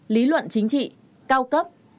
lý luận chính trị cao cấp